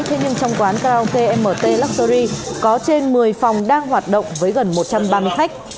thế nhưng trong quán karaoke mt luxury có trên một mươi phòng đang hoạt động với gần một trăm ba mươi khách